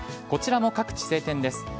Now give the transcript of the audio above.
こちらも各地晴天です。